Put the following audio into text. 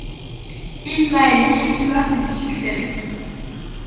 Ismaël Khelifa lui succède.